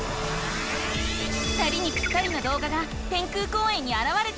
２人にぴったりのどうがが天空公園にあらわれた。